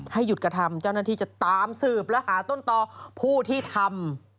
หยุดกระทำเจ้าหน้าที่จะตามสืบและหาต้นต่อผู้ที่ทำ